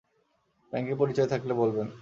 ব্যাংকে পরিচয় থাকলে বলবেন।